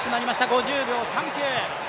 ５０秒３９。